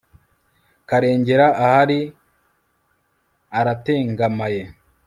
karengera ahari aratengamaye